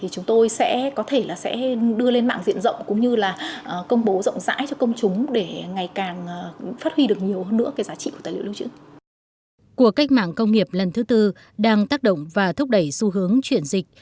cuộc cách mạng công nghiệp lần thứ tư đang tác động và thúc đẩy xu hướng chuyển dịch